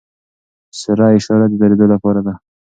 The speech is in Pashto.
سره اشاره د دریدو لپاره ده.